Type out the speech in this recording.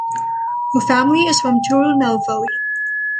Her family is from Tirunelveli.